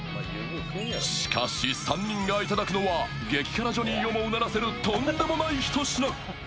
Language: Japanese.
しかし、３人がいただくのは激辛ジョニーをもうならせるとんでもない一品。